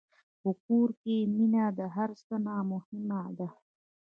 په کور کې مینه د هر څه نه مهمه ده.